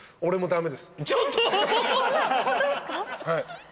はい。